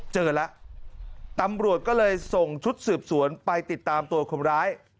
เจอแล้วตำรวจก็เลยส่งชุดสืบสวนไปติดตามตัวคนร้าย